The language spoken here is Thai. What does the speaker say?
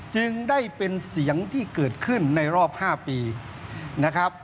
จึงได้เป็นเสียงที่เกิดขึ้นในรอบ๕ปีนะครับ